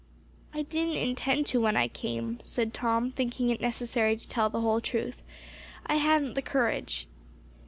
"I didn't intend to when I came," said Tom, thinking it necessary to tell the whole truth. "I hadn't the courage."